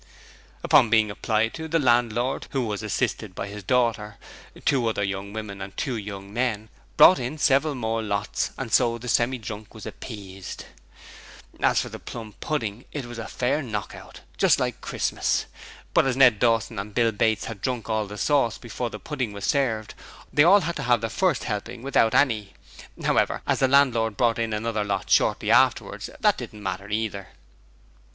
Upon being applied to, the landlord, who was assisted by his daughter, two other young women and two young men, brought in several more lots and so the Semi drunk was appeased. As for the plum pudding it was a fair knock out; just like Christmas: but as Ned Dawson and Bill Bates had drunk all the sauce before the pudding was served, they all had to have their first helping without any. However, as the landlord brought in another lot shortly afterwards, that didn't matter either.